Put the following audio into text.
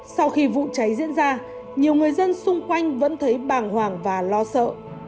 sau khi vụ cháy diễn ra nhiều người dân xung quanh vẫn thấy bàng hoàng và lo sợ